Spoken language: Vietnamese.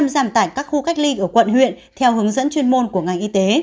đại huyện theo hướng dẫn chuyên môn của ngành y tế